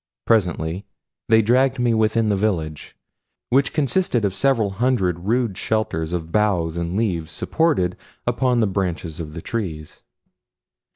Presently they dragged me within the village, which consisted of several hundred rude shelters of boughs and leaves supported upon the branches of the trees.